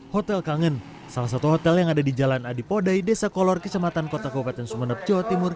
hotel kangen salah satu hotel yang ada di jalan adipodai desa kolor kecamatan kota kabupaten sumeneb jawa timur